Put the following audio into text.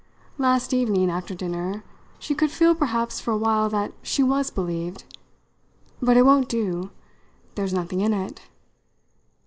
Last evening, after dinner, she could feel perhaps for a while that she was believed. But it won't do. There's nothing in it.